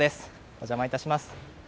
お邪魔いたします。